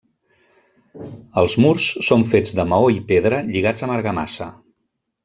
Els murs són fets de maó i pedra lligats amb argamassa.